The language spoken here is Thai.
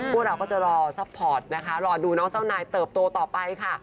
พวกเราก็จะรอซัพพอร์ตนะคะรอดูน้องเจ้านายเติบโตต่อไปค่ะ